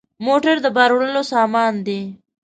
موټر د بار وړلو سامان دی.